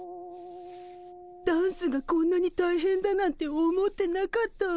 ダンスがこんなにたいへんだなんて思ってなかったわ。